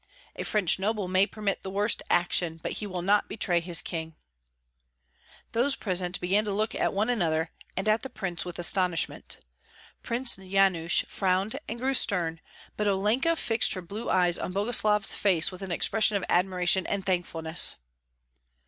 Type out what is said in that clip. A French noble may permit the worst action, but he will not betray his king " Those present began to look at one another and at the prince with astonishment. Prince Yanush frowned and grew stern; but Olenka fixed her blue eyes on Boguslav's face with an expression of admiration and thankfulness.